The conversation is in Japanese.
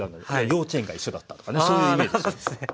幼稚園が一緒だったとかねそういうイメージですね。